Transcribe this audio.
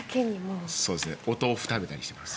お豆腐食べたりしてます